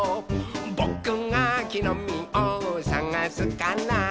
「ぼくがきのみをさがすから」